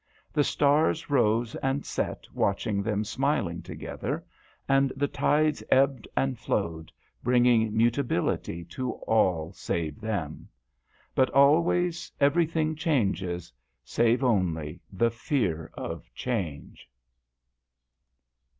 The stars rose and set watching them smiling together, and the tides ebbed and flowed, bringing mutability to all save them. But always everything changes, save only the fear of Change.